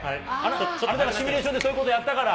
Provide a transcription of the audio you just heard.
あなたのシミュレーションで、そういうことやったから。